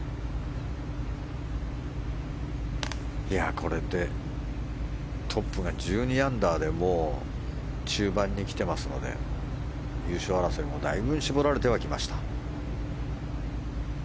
これでトップが１２アンダーでもう中盤に来ていますので優勝争いもだいぶ絞られてはきました。